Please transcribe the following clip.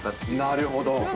なるほど。